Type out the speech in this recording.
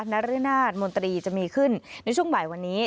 นรนาศมนตรีจะมีขึ้นในช่วงบ่ายวันนี้